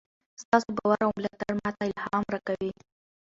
ستاسو باور او ملاتړ ماته الهام راکوي.